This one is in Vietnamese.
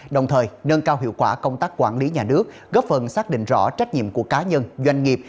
đồng thời nâng cao hiệu quả công tác quản lý nhà nước góp phần xác định rõ trách nhiệm của cá nhân doanh nghiệp